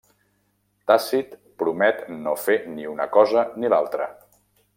Tàcit promet no fer ni l'una cosa ni l'altra.